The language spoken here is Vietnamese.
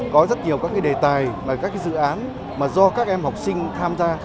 có rất nhiều các đề tài và các dự án mà do các em học sinh tham gia